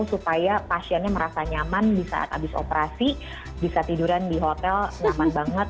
supaya pasiennya merasa nyaman di saat habis operasi bisa tiduran di hotel nyaman banget